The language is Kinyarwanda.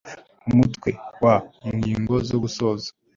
UMUTWE WA Ingingo zo gusoza